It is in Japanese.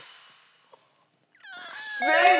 正解！